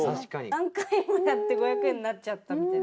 何回もやって５００円になっちゃったみたいな。